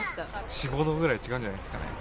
４、５度ぐらい違うんじゃないですかね。